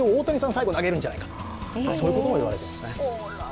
最後投げるんじゃないかとまで言われていますね。